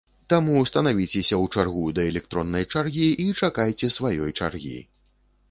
Таму станавіцеся ў чаргу да электроннай чаргі і чакайце сваёй чаргі.